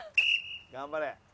頑張れ。